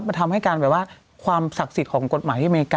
มันทำให้การแบบว่าความศักดิ์สิทธิ์ของกฎหมายที่อเมริกา